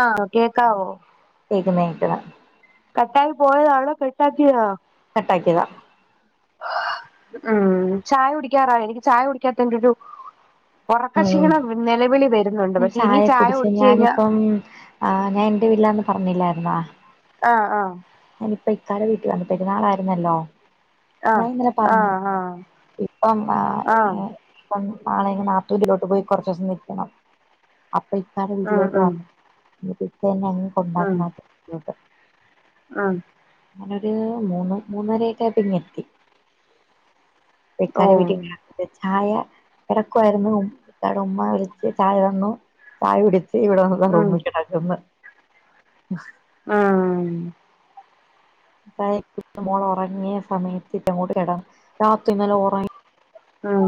ആഹ കേക്കാവോ ഇഏന ഇക്കന [unintelligible] കട്ടായി പോയതആണോ കട്ടാക്കിയാതാണോ കട്ടാക്ക്യതാ. [inaudible] ഹ ആ ചായ കുടിക്കാറായി എനിക്ക് ചായ കുടിക്കാതെന്റെരു ഉം ഒറക്കക്ഷീണം നെലവിളി വെരുന്നുണ്ട് ഞാൻ പക്ഷെ ഇനി ചായ കുടിചെയ്ഞാ ആ ഞാൻ എന്റെ വീട്ടിലാണ് പറഞ്ഞില്ലായിര്ന്നോ? ആഹ് ആഹ് ഞാനിപ്പോ ഇത്താടെ വീട്ടി വന്ന് പെരുന്നാള് ആയിരുന്നല്ലോ. ഞാന് ഇന്നലെ പറഞ്ഞു ആഹ് ആഹ് ആഹ് ഇപ്പം ആ ആഹ് ഇപ്പം നാളെ എന്റെ നാത്തൂന്റെ വീട്ടി പോയ് കൊറച്ച് ദെവസം നിക്കണം. അപ്പൊ ഇത്താടെ ഉം വീട്ടിലോട്ട് വാ ഉം എന്നിട്ട് ഇത്ത അങ്ങ് ഉം കൊണ്ടാക്കും വീട്ടിലോട്ട്. ഉം ഞനൊരു മൂന്ന് മൂന്നരൊക്കെ ആയപ്പം ഇങ്ങ് എത്തി. ഇക്കാന്റെ ഓഹ് വിട്ടി നിക്കുവ ഇത്തായ കെടക്കുവായ്രുന്നു ഇത്താടെ ഉമ്മ വിളിച്ച് ചായ തന്നു. ചായ കുടിച്ച് ഇവിടെ വന്ന് താ ഉം റൂമി കെടക്ക്ന്ന്. ആഹ്. ഇപ്പ മോള് ഒറങ്ങിയ സമയത്ത് ഇങ്ങോട്ട് കെടന്നു രാത്രി ഇന്നലെ ഒറ ഉം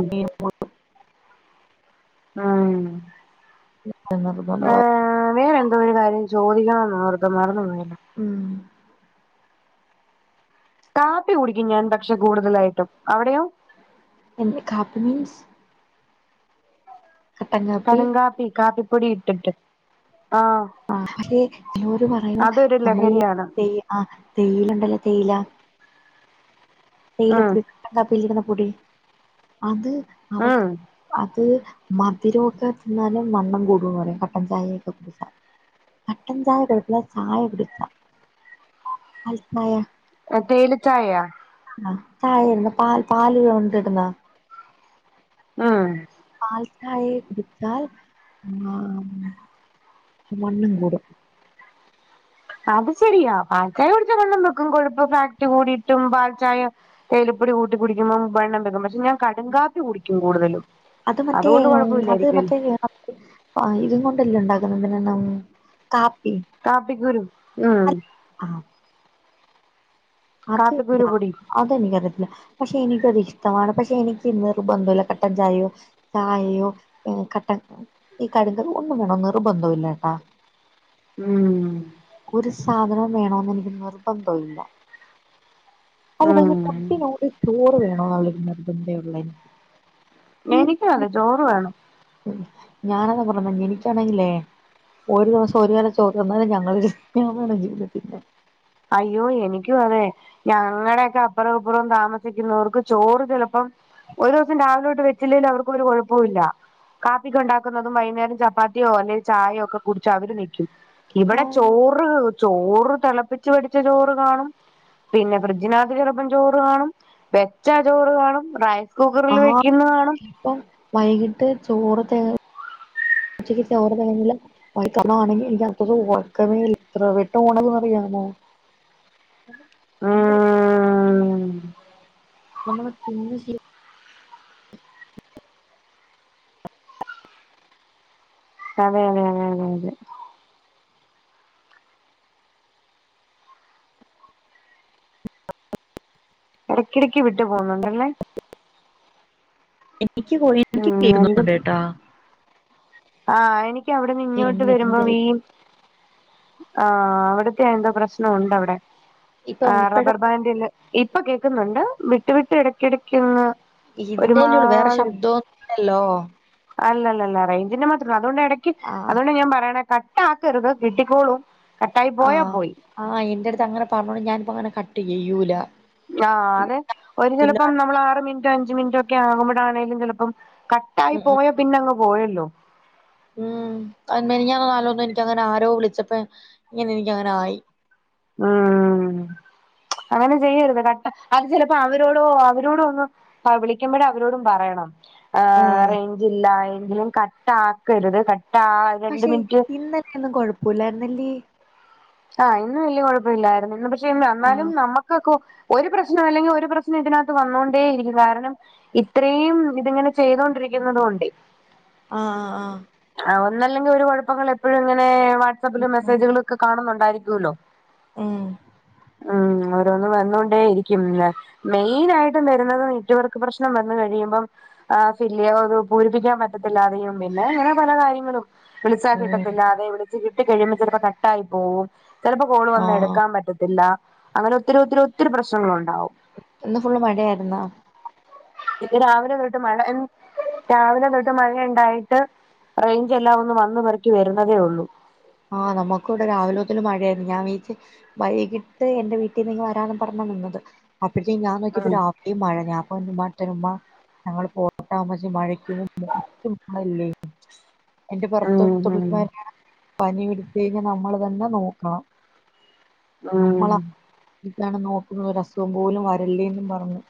ആഹ് [unintelligible] ആ വേറെ എന്തോ ഒരു കാര്യം ചോദിക്കണം എന്ന് ഓർത്തു മറന്നു പോയ്‌ ഉം കാപ്പി കുടിക്കും ഞാൻ പക്ഷെ കൂടുതലായിട്ടും അവിടെയോ എന്ത് കാപ്പി മീൻസ് കട്ടൻ കാപ്പി കടുംകാപ്പി കാപ്പിപ്പൊടി ഇട്ടിട്ട് ആഹ്. ആരെ ചെലോര് പറയ്ന്ന് അതൊരു നമ്മള് ഈ ലഹരിയാണ് തേ ആ തേ [unintelligible] യിലണ്ടല്ലോ തേയിലാ ഉം തേയിലപ്പൊടി കട്ടൻകാപ്പിൽല് ഇടുന്ന പൊടി അത് അവക്ക് ഉം അത് മധുരൊക്കെ തിന്നാലും വണ്ണം കൂടും എന്ന് പറയും കട്ട ചായൊക്കെ കുടിച്ചാ. കട്ട ചായ കൊഴപ്പമില്ല ചായ കുടി [unintelligible] ചാ മനസ്സിലായോ തേയില ചായയൊ ആ ചായയിടുന്ന പാൽ പാല് കൊണ്ടിടുന്നയൊ ഉം പാൽചായേ കുടിച്ചാൽ ആഹ് വണ്ണം കൂടും. അത് ശരിയാ പാൽചായ കുടിചാ വണ്ണം വെക്കും കൊഴുപ്പ് ഫാക്റ്റ് കൂടിട്ടും പാൽചായ തേയിലപ്പൊടി കൂട്ടി കുടിക്കുമ്പോ വണ്ണം വെക്കും പക്ഷെ ഞാ കടുംകാപ്പി കുടിക്കും കൂടുതലും അതുകൊണ്ട് കൊഴപ്പമില്ലായിരിക്കും പാ ഇതും കൊണ്ടല്ലെ ഒണ്ടാക്കുന്നെ പി [unintelligible] ന്നെ കാപ്പി. കാപ്പിക്കുരു ആഹ് ആഹ അത് ഇല്ല കാപ്പിക്കുരു പൊടി അതെനിക്ക്‌ അറിയത്തില്ല പക്ഷെ എനിക്കത് ഇഷ്ടമാണ് പക്ഷെ എനിക്ക് നിർബന്ധമില്ല കട്ട ചായോ? ചായയോ പിന്നെ കട്ടൻ ഈ കടുംകാപ്പിയൊ ഒന്നും വേണോന്ന് നിർബന്ധം ഇല്ലാ കേട്ടോ ഉം ഒരു സാധനോം വേണോന്ന് എനിക്ക് നിർബന്ധം ഇല്ല. അത് കഴിഞ് ഉം ഫുഡിനോട് ചോറ് വേണോന്നുള്ളൊരു നിർബന്ധേ ഉള്ളെ എനിക്കു അതെ ചോറ് വേണം. ഞാനതാ പറഞ്ഞെ എനിക്കാണെങ്കിലേ ഒരു ദെവസം ഒരു നേരം ചോറ് തിന്നാലും ഞങ്ങള് ഞങ്ങടെ ജീവിതം ശരിയാവും അയ്യോ എനിക്കും അതേ ഞങ്ങടെക്കെ അപ്പാറൊ ഇപ്പാറോം താമസിക്കുന്നാവർക്ക് ചോറ് ചെലപ്പം ഒര് സം രാവിലെ തെട്ട് വേച്ചില്ലേലും അവർക്ക് ഒര് കൊഴപ്പോ ഇല്ല കാപ്പിക്ക് ഒണ്ടാക്കുന്നതും വൈന്നേരം ചപ്പാത്തിയോ അല്ലെ ചായയോക്കെ കുടിച്ച് അവര് നി ഇവടെ ഓഹ് ചോറ് ചോറ് തെളപ്പിച്ച് പിടിച്ചാ ചോറ് കാണും പിന്നെ ഫ്രിഡ്ജിനാത്ത് ചെലപ്പം ചോറ് കാണും വെച്ചാ ചോറ് കാണും റൈ കുക്കറില് ആഹ് വെക്ക്ന്ന കാണും ഇപ്പം വൈകിട്ട് ചോറ് തേ ഉച്ചക്ക് ചോറ് തേകഞ്ഞില്ലാ [unintelligible] [unintelligible] നമ്മള് ഉം നമ്മള് തിന്ന് ശി അതെ അതെ അതെ അതെ അതെ എടയ്ക്ക്യാടക്ക് വിട്ട് പോന്നുണ്ട് അല്ലേ ഉം [unintelligible] ട്ടോ ആഹ് എനിക്ക് അവടെന്ന് ഇങ്ങോട്ട് വെര്മ്പോ എണ്ണറ്റിന്റെ വീ ആഹ് അവടത്തെ എന്തോ പ്രശ്നും ഒണ്ട് അവടെ ഇപ്പം ആഹ് ഇപ്പഴും റബ്ബർ ബാൻില് ഇപ്പൊ കേക്ക്ന്ന് ഇണ്ട് വിട്ട് വിട്ട് എടക്ക് എടക്ക് ഒന്ന് ഇതിന്റെ അല്ലേ ഒള്ളു വേറെ ശബ്ദമൊന്നും ഇല്ലല്ലോ അല്ല അല്ല അല്ല റേഞ്ചിന്റെ മാത്രാ അത് കൊണ്ട് എടക്ക് അത് ആഹ് കൊണ്ട് ഞാൻ പറയാണെ കട്ടാ ആക്കാര്ത് കിട്ടിക്കോളൂം കട്ടായി പോയ ആഹ് പോയി ആഹ് എൻ്റെ അട്ത്ത് അങ്ങനെ പറഞ്ഞോണ്ട് ഞാനിപ്പേ അങ്ങന കട്ട് ചെയ്യുല്ലാ ആഹ് അതെ ഒര് ചെലപ്പം നമ്മള് ആറ് മിനിറ്റോ അഞ്ച് മിനിറ്റോ ഒക്കെ ആക്മ്പോഴാണേലും ചെലപ്പം ക ടായി ഉം ഉം പോയ പിന്നെ അങ്ങ് പോയല്ലോ ഉം ആഹ് മിനിഞ്ഞാന്ന് ആരോ എനിക്ക് അങ്ങനെ ആരോ വിളിച്ചാ പ്പോ ഇങ്ങനെ എനിക്ക് അങ്ങനെ ആയി ഉം അങ്ങനെ ചെയ്യരാത് കട്ടാ അത് ചെലപ്പോ അവരോടോ അവരോടോ ഒന്ന് തവളിക്കുമ്പോഴും അവരോടും പറയണം ആഹ് ഉം റേഞ്ച് ഇല്ലായെങ്കിലും കട്ട ആക്കരുത് ക പശേ ഇന്നലെ ഒന്നും കൊഴപ്പോല്ലാര്ന്ന് അല്ലി ആഹ് ഇന്നും വല്ല്യായ കൊഴപ്പ ഇല്ലാര്ന്ന് ഇന്ന് പശേ വന്നാലും ആഹ് നമ്മക്കൊക്കെ ഒര് പ്രശ്നം അല്ലെങ്കി ഒര് പ്രശ്നം ഇതിനകത്ത് വന്നോണ്ടേ ഇരിക്കും കാരണം ഇത്രയും ഇത് ഇങ്ങനെ ചെയ്തൊണ്ടിരിക്ക്ന്നാത് കൊണ്ട്യയേ ആഹ് ആഹ് ആഹ് ഒന്നല്ലാങ്കിൽ ഒര് കുഴപ്പങ്ങള് എപ്പോഴും ഇങ്ങനെ വാട്സആപ്പിലും മെസ്സേജുകളോക്കെ കാണുന്നോണ്ടായിരിക്കുല്ലോ ഉം ഉം അ വന്നോണ്ടേ ഇരിക്കും മെനായിട്ട് വെര്ന്നത് നെറ്റ് വർക്ക് പ്രശ്നം വന്ന് കയിയ്മ്പം ആഹ് ഫില്ല്യാ പൂരിപ്പിക്കാൻ പറ്റത്തില്ലാ പറയും പിന്നെ അങ്ങനെ പല കാര്യങ്ങളും വിളിച്ചാ ഉം കിട്ടത്തില്ലാ വിളിച്ച് കിട്ടി കയിമ്പാ ചെലപ്പോ കട്ടായി പോവും ചെലപ്പോ കോള് വന്നാ ആഹ് എടുക്ക്യാൻ പറ്റത്തില്ല അങ്ങനെ ഒത്തിരി ഒത്തിരി ഒത്തിരി പ്രശ്നങ്ങള് ഒണ്ടാവും ഒന്ന് ഫുള്ള് മഴ ആര്ന്നോ ഇന്ന് രാവിലെ തൊട്ട് മഴ രാവിലെ തൊട്ട് മഴയിണ്ടായിട്ട് റെയ്ഞ്ചെല്ലാം ഒന്ന് വന്ന് പറക്കി വേര്ന്നതേ ഒള്ളൂ ആഹ് നമ്മക്കും ഇവടെ രാവിലെ മുതാല് മഴയാരുന്നു ഞാൻ വീച്ച് വൈകിട്ട് എന്റെ വീട്ടീന്ന് വെരാന്നും പറഞ്ഞാ നിന്നത് അപ്പാഴേക്കും ഞാൻ നോക്കിയപ്പോ ഉം രാ ഈ മഴ ഞാ പറഞ്ഞ് [unintelligible] ഞങ്ങള് [unintelligible] മഴയ്ക്ക [unintelligible] ല്ലേ? എന്റെ പൊറത്ത് ഉം ഉം [unintelligible] പനി പിടിച്ച് കഴിഞ്ഞാ നമ്മള് തന്നെ നോക്കണം. ഉം നമ്മള [unintelligible] ക്കാണ് ഒര് അസുഖം പോലും വേരല്ലേ എന്നും പറഞ്ഞ്.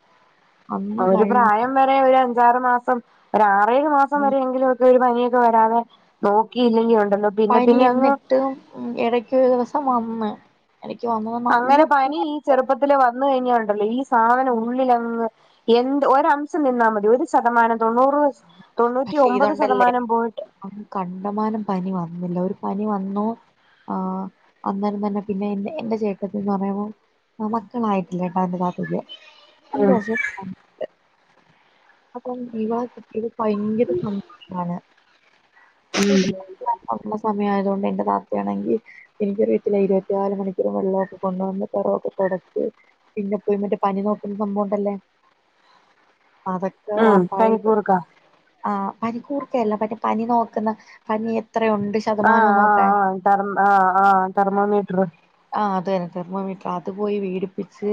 അഒര് പ്രായം വെരെ ഒര് അഞ്ചാറ് മാസം ഒര് ആറേ ഏഴ് മാസം വേരെയങ്കിലും. ഒരു പനിയൊക്കെ വരാതെ നോക്കിയില്ലെങ്കിലുണ്ടല്ലോ പനി എന്നിട്ടും ഇടയ്ക്കൊരു ദിവസം വന്ന് ഇടക്ക് വന്ന് വന്ന് അങ്ങനെ പനി ഈ ചെറുപ്പത്തില് വന്ന് കഴിഞ്ഞാഉണ്ടല്ലോ ഈ സാധനം ഉള്ളിലങ്ങ്, എന്ത്? ഒരംശം നിന്നാമതി ഒരു ശതമാനം തൊണ്ണൂറ് തൊണ്ണൂറ്റി പക്ഷ ഒമ്പത് ഇതൊണ്ടല്ലേ. ശതമാനം പോയിട്ട് കണ്ടമാനം പനി വന്നില്ല. ഒരു പനി വന്നു ആഹ് അന്നേരം തന്നെ പിന്നെ എൻ എന്റെ ചേട്ടത്തിന്ന് പറയുവോം ആ മക്കളായിട്ടില്ലട്ടാ ന്റെ താത്തക്ക് അഞ്ച് ഉം വർഷ അപ്പം ഇവളെ കിട്ടിയത് ഭയങ്കര സന്തോഷാണ് [unintelligible] [unintelligible] സമയം ആയതുകൊണ്ട് എന്റെ വാപ്പയാണെങ്കി എനിക്കറിയത്തില്ലാ ഇരുപത്തിനാല് മണിക്കൂറും വെള്ളമൊക്കെ കൊണ്ടുവന്ന് പൊറവൊക്കെ തൊടച്ച് പിന്നെ പോയി മറ്റേ പനി നോക്കുന്ന സംഭവംണ്ടല്ലേ.? അതക്കെ ഉം വാപ്പായിട്ട്. പനിക്കൂർക്ക ആഹ്, പനികൂർക്കയല്ല മറ്റെ പനി നോക്കുന്ന പനി എത്രയുണ്ട് ശത ആഹ് ആഹ് ആഹ് തെർ ആ ആഹ് തെർമോമീറ്റർ. ആ അതന്നെ തെർമോമീറ്റർ അത്പോയി വേടിപ്പിച്ച്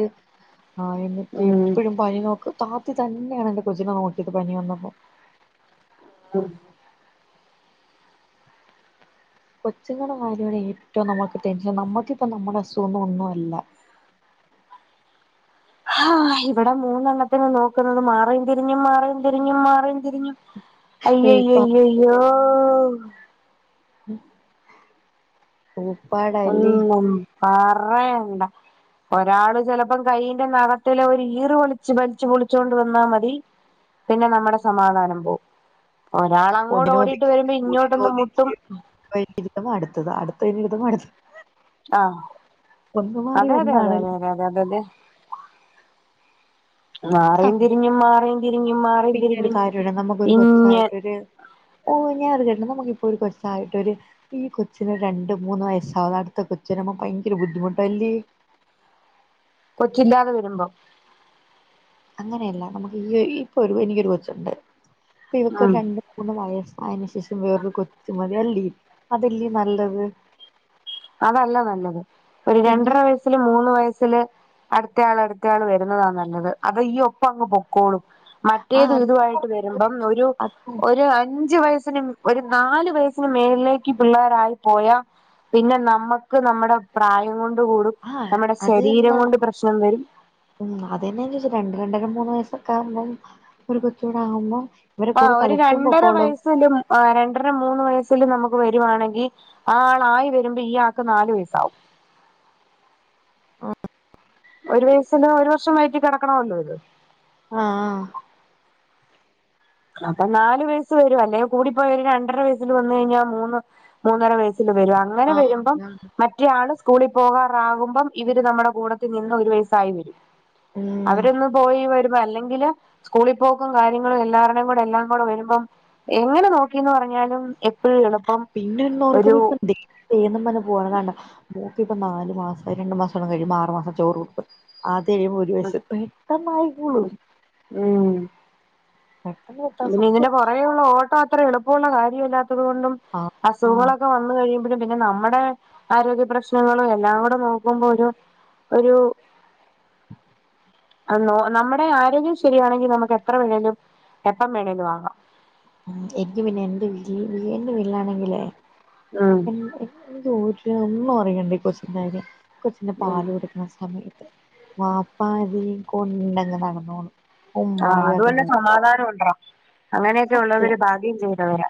ആ എന്നിട്ട് ഉം എപ്പഴും പനി നോക്ക് താത്തി തന്നെയാണ് എൻ്റെ കൊച്ചിനെ നോക്കിയത് പനി വന്നപ്പം. ഉം. കൊച്ചുങ്ങളുടെ കാര്യാണ് ഏറ്റവും നമ്മുക്ക് ടെൻഷൻ, നമ്മുക്കിപ്പ നമ്മുടെ അസുഖന്നും ഒന്നും അല്ല. ആഹ് ഇവിടെ മൂന്നെണ്ണത്തിനെ നോക്കുന്നത്! മാറീം തിരിഞ്ഞും, മാറീം തിരിഞ്ഞും, മാറീം തിരിഞ്ഞും. ഊപ്പ അയ്യയ്യയ്യയ്യോ.. ഉം. ഊപ്പാട ഒന്നും പറയണ്ട. ഒരാള് ചിലപ്പം കൈയിന്റെ നഖത്തില് ഒരു ഈറ് വൊളിച്ച് വലിച്ച് പൊളിച്ചൊണ്ട് വന്നാ മതി- പിന്നെ നമ്മുടെ സമാധാനം പോവും. ഒരാൾ അങ്ങോട്ടോടിട്ട് ഒന്നിനൊതുക്കി വരുമ്പോ ഇങ്ങോട്ടൊന്ന് മുട്ടും. ഒന്നിനൊതുക്കി [unintelligible] അടുത്തത് അടുത്ത [unintelligible] അടുത്തത്. ആഹ ഒന്ന് മാറി അതെയതെ അതെയതെ ഒന്നാണല്ലേ അതെയതെ അതെതെ. മാറീം തിരിഞ്ഞും, മാറീം തിരിഞ്ഞും മാ പിന്നെ ഒരു കാര്യോണ്ട് നമുക്കൊരു കൊച്ചായിട്ടൊരു, ഓ ഞാൻ [unintelligible] നമുക്കിപ്പൊരു കൊച്ചായിട്ടൊരു, ഈ കൊച്ചിനൊരു രണ്ട് മൂന്ന് വയസ അടുത്ത കൊച്ച് വരുമ്പോ നമുക്ക് ഭയങ്കര ബുദ്ധിമുട്ടല്ലേ? കൊച്ചില്ലാതെ വരുമ്പം. അങ്ങനെയല്ല നമുക്ക് ഈ ഇപ്പൊ ഒരു എനിക്കൊരു കൊച്ചുണ്ട് ഇപ്പ ഇവക്കൊരു ഉം രണ്ട് മൂന്ന് വയസ്സായന് ശേഷം വേറൊരു കൊച്ചുമതിയല്ലേ? അതല്ലേ നല്ലത്? അതല്ല നല്ലത് ഒരു പിന്നെ രണ്ടര വയസ്സില് മൂന്ന് വയസ്സില് അടുത്തയാള് അടുത്തയാള് വരുന്നതാ നല്ലത് അതീ ഒപ്പം അങ്ങ് പൊക്കോളും. ആ മറ്റേത് ഇതുവായിട്ട് അത് വരുമ്പം ഒരു അത് ഒരു അൻ അഞ്ചു വയസ്സിനും ഒരു നാലു വയസ്സിനും മേളിലേക്ക് പിള്ളേരായി പോയ പിന്നെ നമ്മക്ക് നമ്മുടെ പ്രായം കൊണ്ട് കൂടും, ആ നമ്മുടെ അത് ശരീരം തന്നെ കൊണ്ട് പ്രശ്നം വരും. ഉം അതന്നെയ ഞാൻ ചോദിച്ച രണ്ട് രണ്ടര മൂന്ന് വയസ്സൊക്കെ ആവുമ്പം ഒരു കൊച്ചൂടെ ആവുമ്പം ആഹ് ഒരു രണ്ടര വയസ്സിലും ആഹ് രണ്ടര മൂന്ന് വയസ്സില് നമുക്ക് വരുവാണെങ്കി ആ ആളായി വരുമ്പോ ഈ ആൾക്ക് നാല് വയസ്സാവും ഒരു വയസിന്റെ ഒരു വർഷം വയറ്റിൽ കിടക്കണമല്ലോ ഇത് ആഹ് ആഹ് അപ്പൊ നാല് വയസ്സ് വരും അല്ലേൽ കൂടിപ്പോയ ഒരു രണ്ടര വയസ്സിൽ വന്ന് കഴിഞ്ഞാൽ മൂന്ന് മൂന്നര വയസ്സിൽ വരും അങ്ങനെ ആ ആ വരുമ്പം അതാണ് മറ്റ് ഇയാള് സ്കൂളിൽ പോകാറാകുമ്പം ഇവര് നമ്മുടെ കൂടത്തിൽ നിന്ന് ഒരു വയസ്സായി വരും ഉം അവരന്ന് പോയി വരുമ്പോ അല്ലെങ്കില് സ്കൂളിൽ പോക്കും കാര്യങ്ങളും എല്ലാർ ല്ലാം കൂടെ വരുമ്പം എങ്ങനെ നോക്കിന്ന് പറഞ്ഞാലും എ വീണപ്പം പിന്നൊന്ന് ഓർക്കുമ്പോ ഇപ്പ ദേ ചെയ്യുന്ന് പറഞ് പോവാണ് ഇത് കണ്ടോ മോൾക്ക് ഇപ്പ നാല് മാസം രണ്ടു മാസം കഴിയുമ്പോ ആറു മാസം ചോറ് കൊടുപ്പ് ആത് കഴുമ്പോൾ ഒരു വയസ്സ് പെട്ടെന്ന് ആയിക്കോളും. ഉം പിന്നെ ഇതിന്റെ പുറകേയുള്ള ഓട്ടം അത്ര എളുപ്പമുള്ള കാര്യമല്ലാത്തത് കൊണ്ടും. ആഹ് ആഹ് അസുഖങ്ങളൊക്കെ വന്നു കഴിയുമ്പഴും. പിന്നെ നമ്മടെ ആരോഗ്യ പ്രശ്നങ്ങളും എല്ലാം കൂടെ നോക്കുമ്പോ ഒരു ഒരു ന്നോ നമ്മുടെ ആരോഗ്യം ശരിയാണെങ്കി നമുക്ക് എത്ര വേണങ്കിലും എപ്പം വേണേലും ആകാം. ഉം എനിക്ക് പിന്നെ എന്റെ വീട്ടില് എന്റെ വിട്ടില്ലാണെങ്കിലേ ഉം എന്റെ എനിക്ക് ഒര് ഒന്നും അറിയണ്ട ഈ കൊച്ചിന്റെ കാര്യം കൊച്ചിന്റെ പാല് കൊടുക്കണ സമയത്ത് വാപ്പാ ഇതിനെ കൊണ്ടങ്ങ് നടന്നോളും. ആഹ് ഉമ്മായും അത് കൊണ്ട് അതിന് സമാധാനം ഉണ്ട് അങ്ങനെയൊക്കെ ഉള്ളവര് സത്യം ഭാഗ്യം ചെയ്തവരാ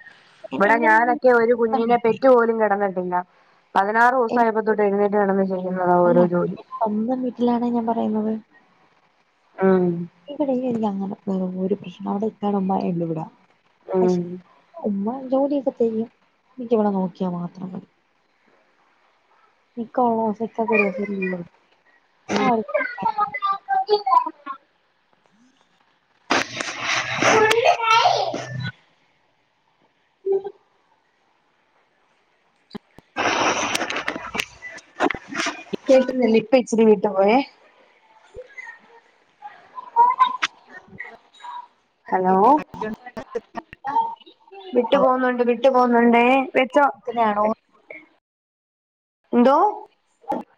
എൻ ഇവിടെ എന്നെ ഞാനൊക്കെ ഒരു സ്വന്തം കുഞ്ഞിനെ വീട്ടില് പെറ്റു പോലും കിടന്ന ട്ടില്ല പതിനാറ് ദിവസം എൻ ആയപ്പോ തൊട്ട് എഴുന്നേറ്റ് നടന്ന് ചെയ്യുന്നതാ ഓരോ ജോലി. സ്വാന്തം വീട്ടിലാണ് ഞാൻ പറയുന്നത്. ആഹ് ഇവിടെ ഇല്ല അങ്ങനെ ഒരു പ്രശ്നം അവിടെ ഇത്താടുമ്മ അല്ല ഇവിട ഉം പക്ഷേ ഉമ്മ ജോലിയൊക്കെ ചെയ്യും എനിക്ക് ഇവളെ നോക്കിയാൽ മാത്രം മതി. ഇനി ഇക്ക ഒള്ള ദിവസം ഇക്കാക്ക് ഒരു ദിവസം ലീവ് ആണ് [unintelligible] [unintelligible] [unintelligible] [unintelligible] കേട്ടില്ലില്ല ഇപ്പ ഇച്ചരി വീട്ട് പോയേ ഹലോ വിട്ടു പോവുന്നുണ്ട് വിട്ടു പോവുന്നുണ്ടേയ് വെച്ചോ ആണോ എന്തോ